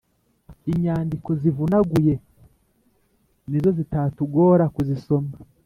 inyandiko zivunaguye nizo zitatugora kuzisoma